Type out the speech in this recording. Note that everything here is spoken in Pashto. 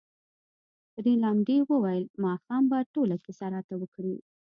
رینالډي وویل ماښام به ټوله کیسه راته وکړې.